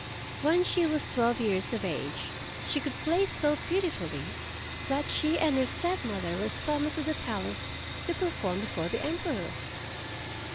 When she was twelve years of age she could play so beautifully that she and her step mother were summoned to the Palace to perform before the Emperor.